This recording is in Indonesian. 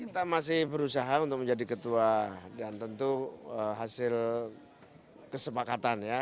kita masih berusaha untuk menjadi ketua dan tentu hasil kesepakatan ya